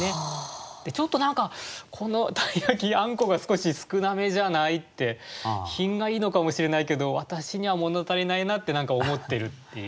ちょっと何かこの鯛焼あんこが少し少なめじゃない？って品がいいのかもしれないけど私には物足りないなって何か思ってるっていう。